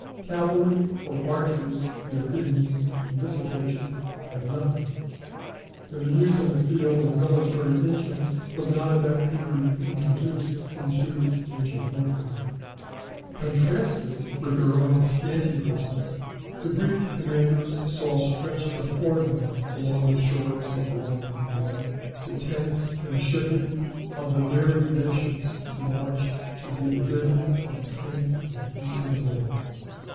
Cavalry or archers the Athenians (on this occasion) had none, and the use in the field of military engines was not at that period introduced into ancient warfare. Contrasted with their own scanty forces, the Greek commanders saw stretched before them, along the shores of the winding bay, the tents and shipping of the varied nations who marched to do the bidding of the king of the Eastern world.